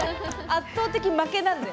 圧倒的負けなんで。